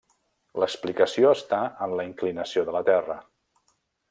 L'explicació està en la inclinació de la Terra.